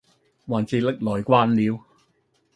還是歷來慣了，